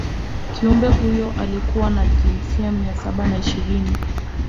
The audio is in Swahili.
kiumbe huyo alikuwa na jinsia mia saba na ishirini